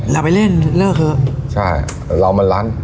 แล้วไปเล่นเลิกเหอะใช่เรามาร้าน